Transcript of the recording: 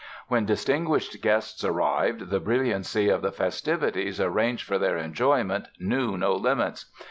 When distinguished guests arrived the brilliancy of the festivities arranged for their enjoyment knew no limits.